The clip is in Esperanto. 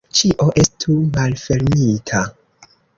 Ĉio estu malfermita.